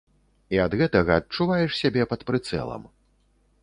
І ад гэтага адчуваеш сябе пад прыцэлам.